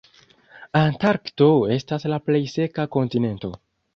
Antarkto estas la plej seka kontinento.